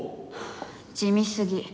地味すぎ。